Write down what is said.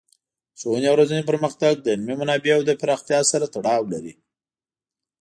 د ښوونې او روزنې پرمختګ د علمي منابعو د پراختیا سره تړاو لري.